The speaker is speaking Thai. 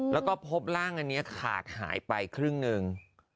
แล้วก็พบร่างอันนี้ขาดหายไปครึ่งหนึ่ง